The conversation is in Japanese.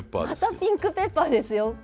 またピンクペッパーですよ。